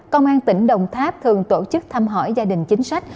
công an tỉnh đồng tháp thường tổ chức thăm hỏi gia đình chính sách